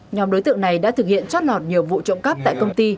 nhóm đối tượng này đã thực hiện trót lọt nhiều vụ trộm cắp tại công ty